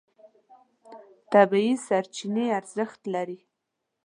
طبیعي سرچینې ارزښت لري.